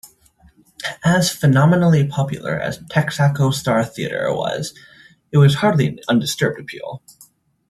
As phenomenally popular as "Texaco Star Theater" was, it was hardly an undisturbed appeal.